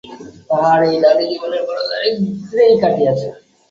তাহার এই নারীজীবন বড়ো দারিদ্র্যেই কাটিয়াছে।